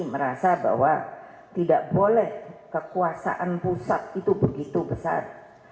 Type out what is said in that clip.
merasa bahwa tidak boleh kekuasaan pusat itu begitu besar